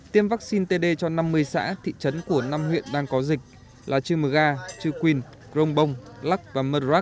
tiêm vaccine td cho năm mươi xã thị trấn của năm huyện đang có dịch là trư mờ ga trư quyền grông bông lắc và mơ rắc